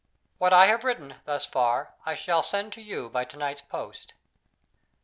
What I have written, thus far, I shall send to you by to night's post.